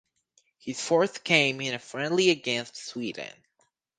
His fourth came in a friendly against Sweden.